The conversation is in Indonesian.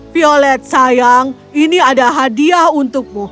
violet sayang ini ada hadiah untukmu